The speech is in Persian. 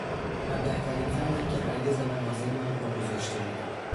ابلهترین فردی که هرگز به مغازهی من پا گذاشته بود